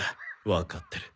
わかってる。